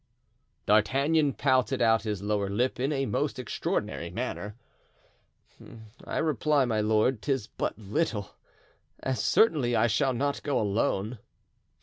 D'Artagnan pouted out his lower lip in a most extraordinary manner. "I reply, my lord, 'tis but little, as certainly I shall not go alone."